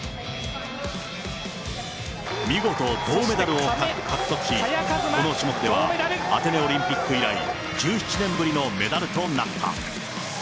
見事、銅メダルを獲得し、この種目ではアテネオリンピック以来、１７年ぶりのメダルとなった。